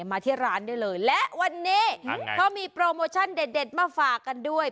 มาที่ร้านได้เลยและวันนี้เขามีโปรโมชั่นเด็ดมาฝากกันด้วย